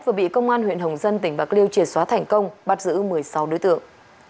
vừa bị công an huyện hồng dân tỉnh bạc liêu triệt xóa thành công bắt giữ một mươi sáu đối tượng